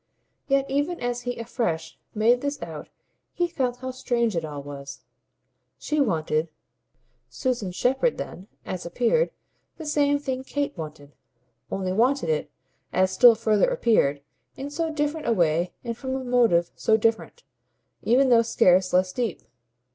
Yet even as he afresh made this out he felt how strange it all was. She wanted, Susan Shepherd then, as appeared, the same thing Kate wanted, only wanted it, as still further appeared, in so different a way and from a motive so different, even though scarce less deep.